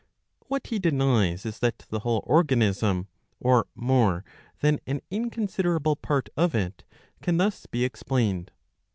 Ci/hf^^ What he denies is that the whole organism, or more than an incon *|^ ^j siderable part of it, can thus be explained.